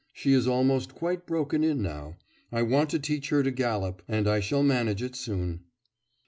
She is almost quite broken in now. I want to teach her to gallop, and I shall manage it soon.